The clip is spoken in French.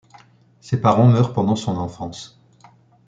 Ses parents meurent pendant son enfance.